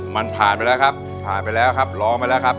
มันผ่านไปแล้วครับร้องไปแล้วครับ